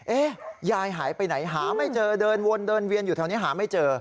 ยายหายไปไหนหาไม่เจอเดินวนเดินเวียนอยู่แถวนี้หาไม่เจอ